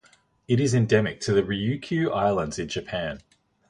It is endemic to the Ryukyu Islands in Japan.